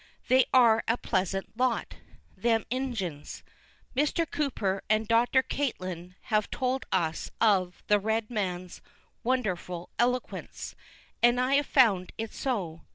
They are a pleasant lot, them Injuns. Mr. Cooper and Dr. Catlin have told us of the red man's wonderful eloquence, and I found it so.